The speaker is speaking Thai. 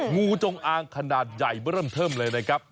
งูจงอางขนาดใหญ่เริ่มเทิมเลยนะครับ